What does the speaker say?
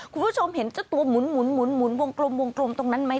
คุณผู้ชมเห็นเจ้าตัวหมุนวงกลมวงกลมตรงนั้นไหม